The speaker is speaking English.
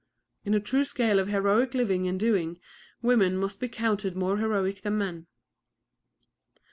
In a true scale of heroic living and doing women must be counted more heroic than men.